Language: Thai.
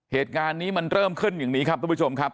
เหตุการณ์นี้มันเริ่มขึ้นอย่างนี้ครับทุกผู้ชมครับ